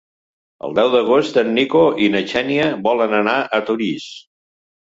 El deu d'agost en Nico i na Xènia volen anar a Torís.